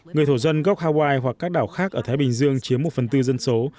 người thổ dân gok hawaii hoặc các đảo khác ở thái bình dương chiếm một phần tư dân số